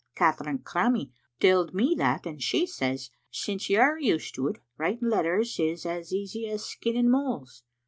Kaytherine Crummie telled me that, and she says aince you're used to it, writing let ters is as easy as skinning moles.